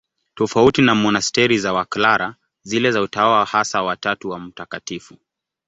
Tofauti na monasteri za Waklara, zile za Utawa Hasa wa Tatu wa Mt.